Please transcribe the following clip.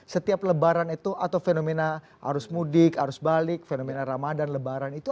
setiap lebaran itu atau fenomena arus mudik arus balik fenomena ramadan lebaran itu